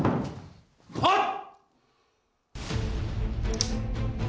はっ！